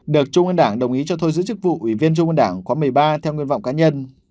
được trung ơn đảng đồng ý cho thôi giữ chức vụ ủy viên trung ơn đảng khoảng một mươi ba theo nguyên vọng cá nhân